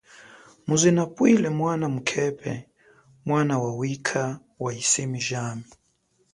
Muze nabwile mwana mukepe mwana wa wikha wa yisemi jami.